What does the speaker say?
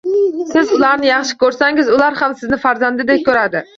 Siz ularni yaxshi ko‘rsangiz, ular ham sizni farzandidek ko‘radi.